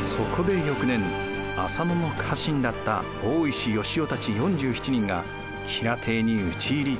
そこで翌年浅野の家臣だった大石良雄たち４７人が吉良邸に討ち入り。